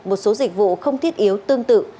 một số dịch vụ không thiết yếu tương tự